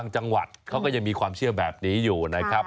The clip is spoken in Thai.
จังหวัดเขาก็ยังมีความเชื่อแบบนี้อยู่นะครับ